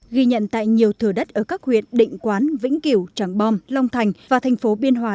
ghi nhận tại nhiều thừa đất ở các huyện định quán vĩnh kiểu tràng bom long thành và thành phố biên hòa